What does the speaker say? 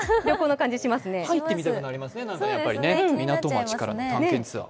入ってみたくなりますね、こちらから、港町探検ツアー。